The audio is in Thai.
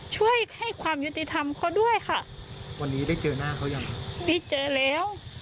ช่วยให้ความยุติธรรมเขาด้วยค่ะวันนี้ได้เจอหน้าเขายังได้เจอแล้ว